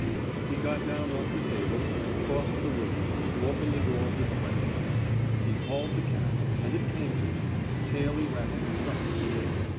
He got down off the table, and crossed the rodm, to open the door of the sweat shop. He called the cat, and it came to him, tail erect, trustingly.